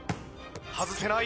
外せない。